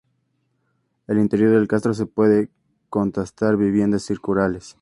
El interior del castro, se pueden constatar viviendas circulares.